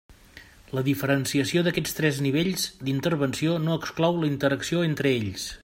La diferenciació d'aquests tres nivells d'intervenció no exclou la interacció entre ells.